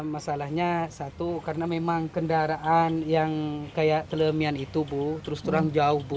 masalahnya satu karena memang kendaraan yang kayak kelemian itu bu terus terang jauh bu